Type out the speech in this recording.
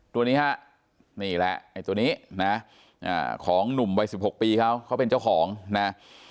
ตัวนี้ฮะนี่แหละไอ้ตัวนี้นะของหนุ่มวัย๑๖ปีเขาเขาเป็นเจ้าของนะ